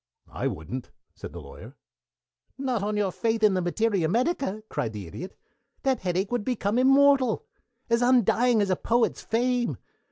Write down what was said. "I wouldn't," said the Lawyer. "Not on your faith in the Materia Medica!" cried the Idiot. "That headache would become immortal. As undying as a poet's fame.